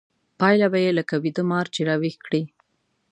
پايله به يې لکه ويده مار چې راويښ کړې.